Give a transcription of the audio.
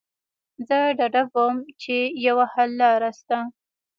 زه ډاډه وم چې يوه حللاره شته.